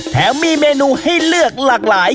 แถมมีเมนูให้เลือกหลากหลาย